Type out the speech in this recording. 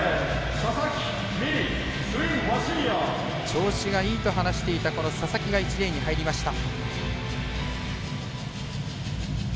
調子がいいと話していたこの佐々木が１レーンに入りました。